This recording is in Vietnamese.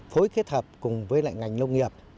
phối kết hợp cùng với ngành nông nghiệp